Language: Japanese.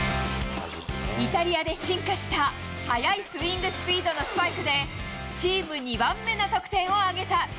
イタリアで進化した速いスイングスピードのスパイクで、チーム２番目の得点を挙げた。